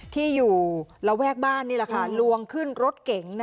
ที่อยู่ระแวกบ้านนี่แหละค่ะลวงขึ้นรถเก๋ง